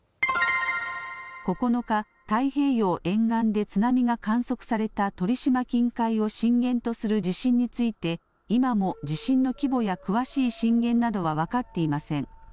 ９日、太平洋沿岸で津波が観測された鳥島近海を震源とする地震について今も地震の規模や詳しい震源などは分かっていません。